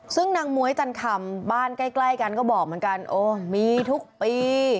ซึ่งนางม้วยจันคำบ้านใกล้กันก็บอกเหมือนกันโอ้มีทุกปี